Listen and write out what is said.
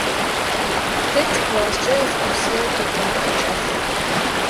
Тэ тикласскӏэ экскурсие тыкӏонэу тикӏас.